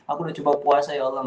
aku udah coba puasa ya allah